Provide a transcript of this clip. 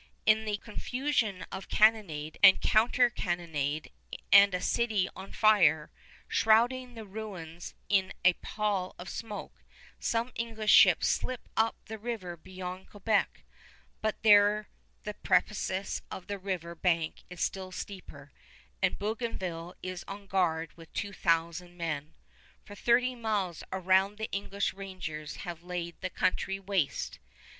In the confusion of cannonade and counter cannonade and a city on fire, shrouding the ruins in a pall of smoke, some English ships slip up the river beyond Quebec, but there the precipice of the river bank is still steeper, and Bougainville is on guard with two thousand men. For thirty miles around the English rangers have laid the country waste.